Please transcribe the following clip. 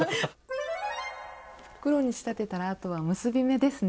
袋に仕立てたらあとは結び目ですね。